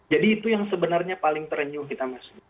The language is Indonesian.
jadi itu yang sebenarnya paling terenyuh kita masuk